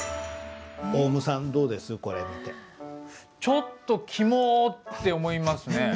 ちょっとキモって思いますね。